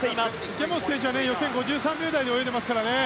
池本選手は予選５３秒台で泳いでますからね。